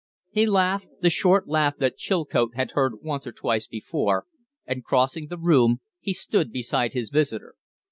He laughed, the short laugh that Chilcote had heard once or twice before, and, crossing the room, he stood beside his visitor.